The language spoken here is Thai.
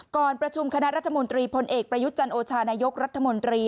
ก่อนประชุมคณะรัฐมนตรีพลเอกประยุทธ์จันโอชานายกรัฐมนตรี